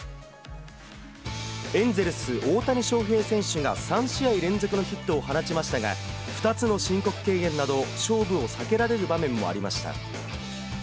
エンゼルス、大谷翔平選手が３試合連続のヒットを放ちましたが、２つの申告敬遠など勝負を避けられる場面もありました。